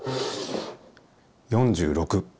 ４６！